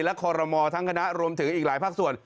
และคอรมอทั้งคณะรวมถึงอีกหลายภาคส่วน